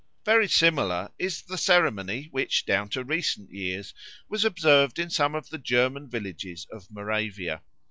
Very similar is the ceremony which, down to recent years, was observed in some of the German villages of Moravia.